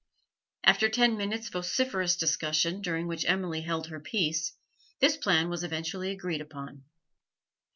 After ten minutes' vociferous discussion, during which Emily held her peace, this plan was eventually agreed upon.